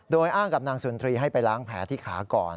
โดยอ้างกับนางสุนทรีย์ให้ไปล้างแผลที่ขาก่อน